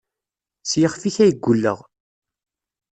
S yixef-ik ay gulleɣ.